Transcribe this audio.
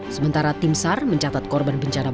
sementara timsar mencatat korban pencara bayang